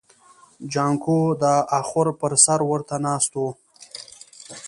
جانکو د اخور پر سر ورته ناست و.